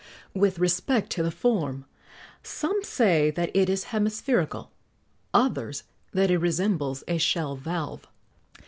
With respect to the form, some say that it is hemispherical; others that it resembles a shell valve.